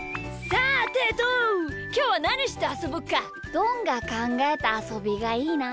どんがかんがえたあそびがいいな。